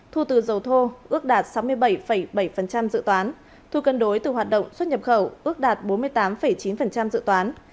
thu từ dầu thô ước đạt sáu mươi bảy bảy dự toán thu cân đối từ hoạt động xuất nhập khẩu ước đạt bốn mươi tám chín dự toán